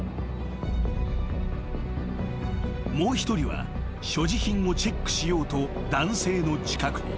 ［もう一人は所持品をチェックしようと男性の近くに］